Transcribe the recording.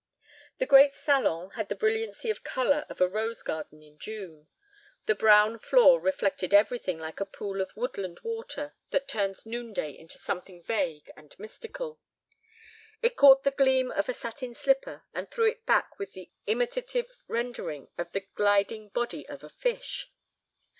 The great salon had the brilliancy of color of a rose garden in June. The brown floor reflected everything like a pool of woodland water that turns noonday into something vague and mystical. It caught the gleam of a satin slipper and threw it back with the imitative rendering of the gliding body of a fish.